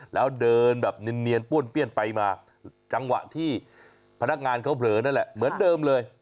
แล้วเดินแบบเนียนป้วนเปี้ยนไปมาจังหวะที่พนักงานเขาเผลอนั่นแหละเหมือนเดิมเลย